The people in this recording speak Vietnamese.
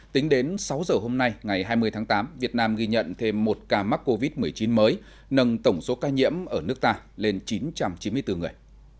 tính đến sáu giờ hôm nay ngày hai mươi tháng tám việt nam ghi nhận thêm một ca mắc covid một mươi chín mới nâng tổng số ca nhiễm ở nước ta lên chín trăm chín mươi bốn người